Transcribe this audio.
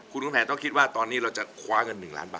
คุณแผนต้องคิดว่าตอนนี้เราจะคว้าเงิน๑ล้านบาท